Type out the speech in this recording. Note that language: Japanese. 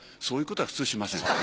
そういうことは普通しません。